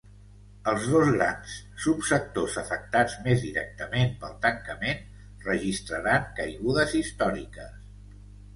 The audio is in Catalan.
Els dos grans subsectors afectats més directament pel tancament registraran caigudes històriques.